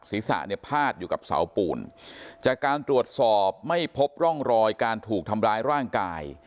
ศีรษะเนี่ยพาดอยู่กับเสาปูนจากการตรวจสอบไม่พบร่องรอยการถูกทำร้ายร่างกาย